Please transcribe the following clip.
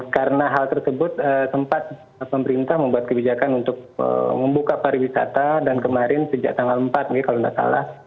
karena hal tersebut tempat pemerintah membuat kebijakan untuk membuka pariwisata dan kemarin sejak tanggal empat mungkin kalau tidak salah